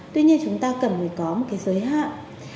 tuy nhiên chúng ta cần phải có một cái giới hạn